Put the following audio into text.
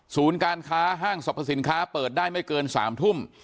การค้าห้างสรรพสินค้าเปิดได้ไม่เกิน๓ทุ่ม